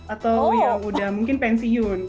atau ya udah mungkin pensiun